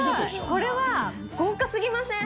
これは豪華すぎません？